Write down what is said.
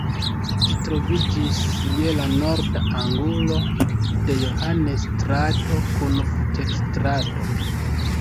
Ĝi troviĝis je la norda angulo de Johannes-strato kun Futter-strato.